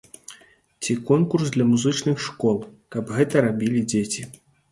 Ці конкурс для музычных школ, каб гэта рабілі дзеці.